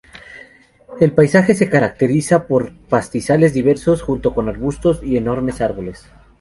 El paisaje se caracteriza por pastizales diversos junto con arbustos y enormes árboles.